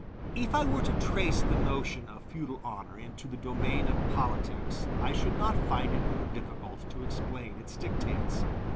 If I were to trace the notion of feudal honor into the domain of politics, I should not find it more difficult to explain its dictates.